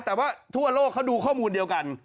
แต่ว่าทั่วโลกเขาดูข้อมูลเดียวกัน